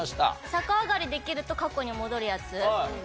逆上がりできると過去に戻るやつ。